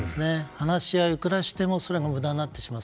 話し合いをいくらしてもそれが無駄になってしまう。